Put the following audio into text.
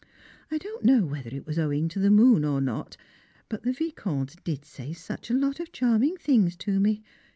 I don't know whether it was owing to the moon or not, but the Vicomte did say such a lot of charming things to me.